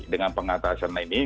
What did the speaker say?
dengan pengatasannya ini